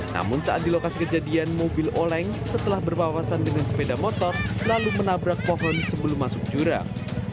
namun saat di lokasi kejadian mobil oleng setelah berpawasan dengan sepeda motor lalu menabrak pohon sebelum masuk jurang